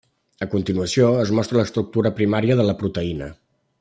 A continuació, es mostra l’estructura primària de la proteïna.